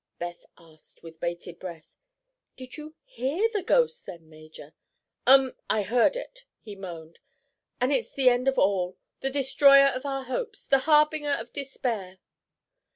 Beth asked with bated breath: "Did you hear the ghost, then, Major?" "Um! I heard it," he moaned. "And it's the end of all—the destroyer of our hopes—the harbinger of despair!"